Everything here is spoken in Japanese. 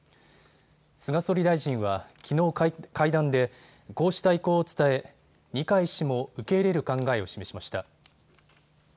菅総理大臣は、きのう、会談でこうした意向を伝え二階氏も受け入れる考えを示しました。